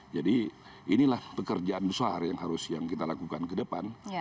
jadi inilah pekerjaan besar yang harus kita lakukan ke depan